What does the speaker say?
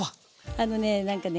あのね何かね